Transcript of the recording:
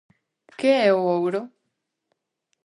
Que é o ouro?